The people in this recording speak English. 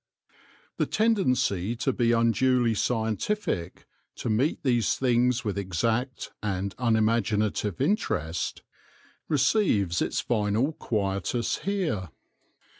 The tendency to be unduly scientific, to meet these things with exact and unimaginative interest, receives its final quietus here.